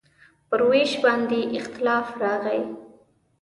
پر وېش باندې اختلاف راغی.